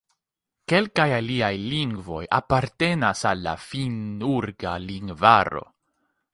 Kelkaj aliaj lingvoj apartenas al la Finn-ugra lingvaro.